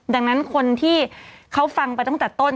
ดังนั้นคนที่เขาฟังไปตั้งแต่ต้น